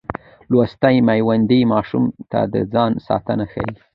لوستې میندې ماشوم ته د ځان ساتنه ښيي.